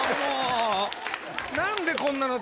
何でこんなの。